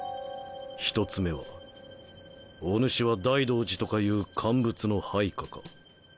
１つ目はお主は大道寺とかいう奸物の配下か？